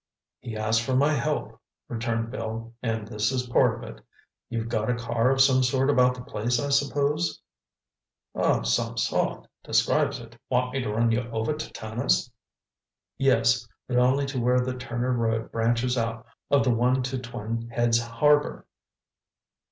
"He asked for my help," returned Bill, "and this is part of it. You've got a car of some sort about the place, I suppose?" "'Of some sort' describes it. Want me to run you over to Turner's?" "Yes—but only to where the Turner road branches out of the one to Twin Heads Harbor."